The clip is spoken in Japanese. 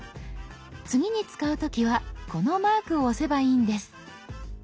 次に使う時はこのマークを押せばいいんです。